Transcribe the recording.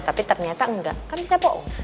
tapi ternyata enggak kan bisa bohong